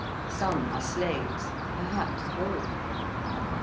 Some are slaves perhaps all.